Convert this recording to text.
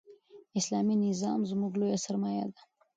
اسلامي نظام زموږ لویه سرمایه ده.